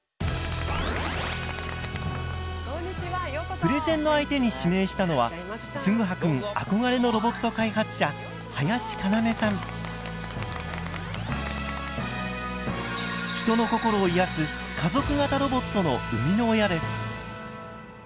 プレゼンの相手に指名したのはつぐはくん憧れのロボット開発者人の心を癒やす家族型ロボットの生みの親です。